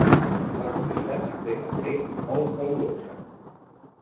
L'acollida també va ser molt calorosa.